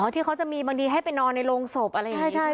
ที่เขาจะมีบางทีให้ไปนอนในโรงศพอะไรอย่างนี้